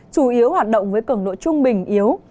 chủ yếu hoạt động với cường độ trung bình yếu